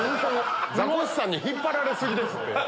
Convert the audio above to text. ザコシさんに引っ張られ過ぎですって。